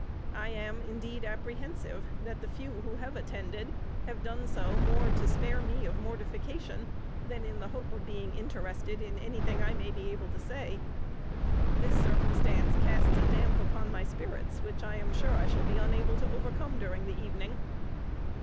I am, indeed, apprehensive that the few who have attended have done so more to spare me of mortification, than in the hope of being interested in any thing I may be able to say. This circumstance casts a damp upon my spirits which I am sure I shall be unable to overcome during the evening.